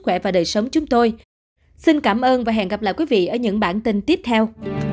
khỏe và đời sống chúng tôi xin cảm ơn và hẹn gặp lại quý vị ở những bản tin tiếp theo